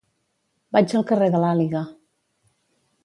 Vaig al carrer de l'Àliga.